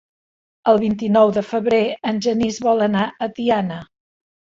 El vint-i-nou de febrer en Genís vol anar a Tiana.